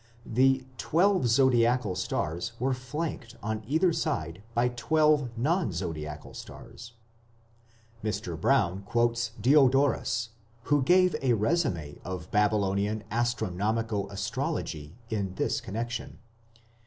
The "twelve zodiacal stars were flanked on either side by twelve non zodiacal stars". Mr. Brown quotes Diodorus, who gave a résumé of Babylonian astronomico astrology, in this connection.